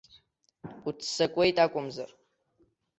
Уццакуеит акәымзар.